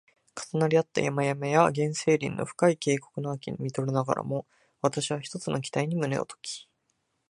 重なり合った山々や原生林や深い渓谷の秋に見とれながらも、わたしは一つの期待に胸をとき